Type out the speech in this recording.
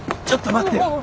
ちょっと待ってよ。